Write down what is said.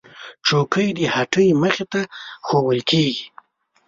چوکۍ د هټۍ مخې ته ایښودل کېږي.